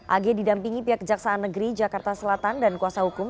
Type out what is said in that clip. ag didampingi pihak kejaksaan negeri jakarta selatan dan kuasa hukum